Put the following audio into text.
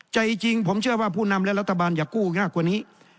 ใจจริงผมเชื่อว่าผู้นำและรัฐบาลอย่ากู้ง่ายกว่านี้